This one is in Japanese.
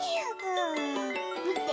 みて！